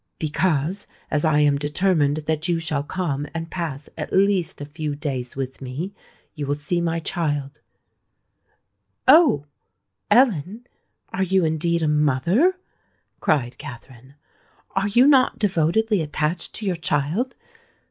Because, as I am determined that you shall come and pass at least a few days with me you will see my child——" "Oh! Ellen, are you indeed a mother?" cried Katherine. "Are you not devotedly attached to your child?